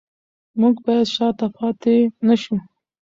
موږ باید شاته پاتې نشو.